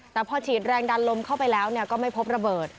แต่พอฉีดแรงดันลมเข้าไปแล้วก็ไม่พบระเบิด